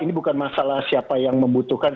ini bukan masalah siapa yang membutuhkan